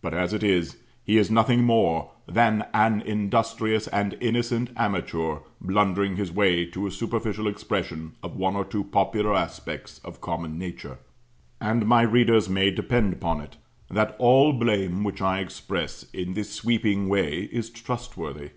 But as it is, he is nothing more than an industrious and innocent amateur blundering his way to a superficial expression of one or two popular aspects of common nature. And my readers may depend upon it, that all blame which I express in this sweeping way is trustworthy.